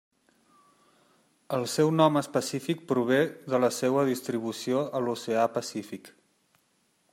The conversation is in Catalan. El seu nom específic prové de la seua distribució a l'oceà Pacífic.